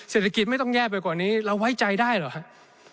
เศรษฐกิจไม่ต้องแย่ไปกว่านี้เราไว้ใจได้เหรอครับ